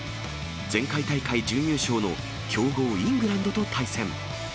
前回大会準優勝の強豪、イングランドと対戦。